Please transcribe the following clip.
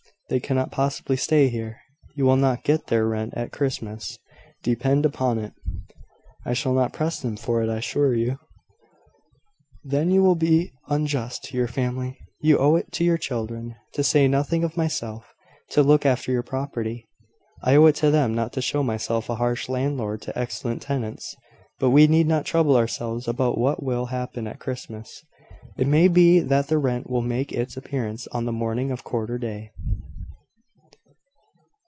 They cannot possibly stay here. You will not get their rent at Christmas, depend upon it." "I shall not press them for it, I assure you." "Then you will be unjust to your family. You owe it to your children, to say nothing of myself, to look after your property." "I owe it to them not to show myself a harsh landlord to excellent tenants. But we need not trouble ourselves about what will happen at Christmas. It may be that the rent will make its appearance on the morning of quarter day."